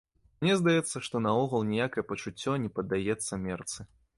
Мне здаецца, што наогул ніякае пачуццё не паддаецца мерцы.